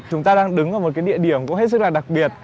chúng ta đang đứng ở một cái địa điểm cũng hết sức là đặc biệt